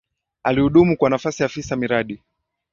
Alihudumu kwa nafasi ya Afisa Miradi